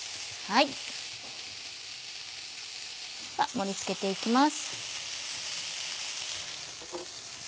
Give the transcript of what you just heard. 盛り付けて行きます。